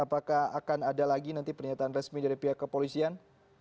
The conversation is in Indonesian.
apakah akan ada lagi nanti pernyataan resmi dari pihak kepolisian